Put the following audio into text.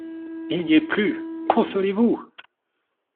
Il n’y est plus ! consolez-vous !